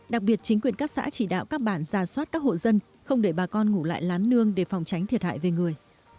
đặc biệt chính quyền các xã chỉ đạo các bản ra soát các hộ dân không để bà con ngủ lại lán nương để phòng tránh thiệt hại về người